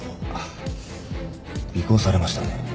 あっ尾行されましたね。